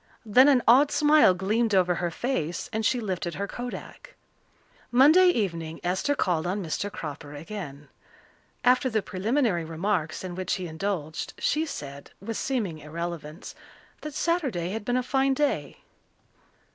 Then an odd smile gleamed over her face and she lifted her kodak. Monday evening Esther called on Mr. Cropper again. After the preliminary remarks in which he indulged, she said, with seeming irrelevance, that Saturday had been a fine day.